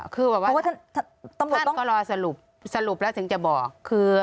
เพราะว่าท่านก็รอสรุปแล้วถึงจะบอก